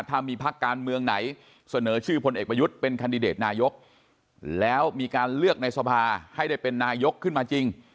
ถ้ามีพักการเมืองไหนเสนอชื่อพลเอกประยุทธ์เป็นคันดิเดตนายกแล้วมีการเลือกในสภาให้ได้เป็นนายกขึ้นมาจริง